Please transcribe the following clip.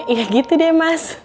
iya gitu deh mas